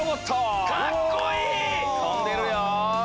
とんでるよ。